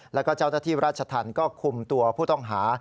แล้วก็เจ้าหน้าที่ราชธรรมก็คุมตัวผู้ต้องหา